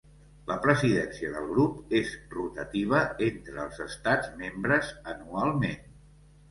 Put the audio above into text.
La presidència del grup és rotativa entre els estats membres anualment.